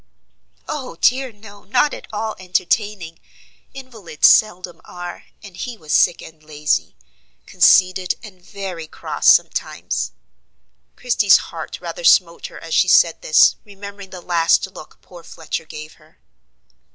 "Oh, dear no, not at all entertaining! invalids seldom are, and he was sick and lazy, conceited and very cross sometimes." Christie's heart rather smote her as she said this, remembering the last look poor Fletcher gave her.